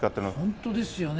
本当ですよね。